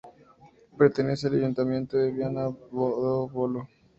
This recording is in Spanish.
Pertenece al ayuntamiento de Viana do Bolo.